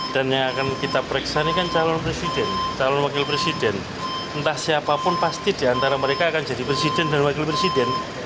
dan yang akan kita periksa ini kan calon presiden calon wakil presiden entah siapapun pasti diantara mereka akan jadi presiden dan wakil presiden